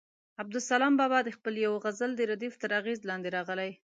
عبدالسلام بابا د خپل یوه غزل د ردیف تر اغېز لاندې راغلی.